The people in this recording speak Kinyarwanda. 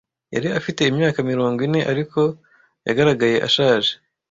Yari afite imyaka mirongo ine, ariko yagaragaye ashaje.